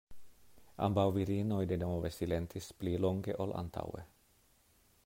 Ambaŭ virinoj denove silentis pli longe ol antaŭe.